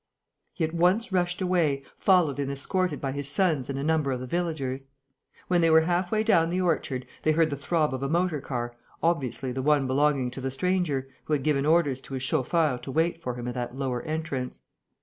He at once rushed away, followed and escorted by his sons and a number of the villagers. When they were halfway down the orchard, they heard the throb of a motor car, obviously the one belonging to the stranger, who had given orders to his chauffeur to wait for him at that lower entrance.